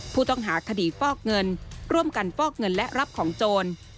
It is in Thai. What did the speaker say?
ผู้ต้องหาคดีฟอกเงินร่วมกันฟอกเงินและรับของโจร